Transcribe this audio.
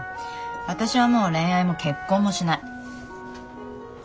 私はもう恋愛も結婚もしない。